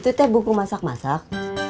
itu teh buku masak masak